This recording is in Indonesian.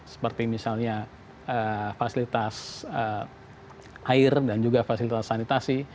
seperti misalnya fasilitas air dan juga fasilitas sanitasi